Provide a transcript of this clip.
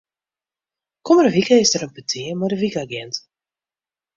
Kommende wike is der in petear mei de wykagint.